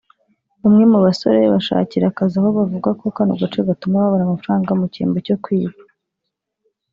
bamwe mu basore bashakira akazi aha bavuga ko kano gace gatuma babona amafaranga mu kimbo cyo kwiba